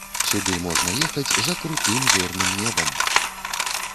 Сюды можна ехаць за крутым зорным небам!